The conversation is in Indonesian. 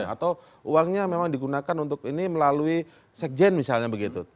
atau uangnya memang digunakan untuk ini melalui sekjen misalnya begitu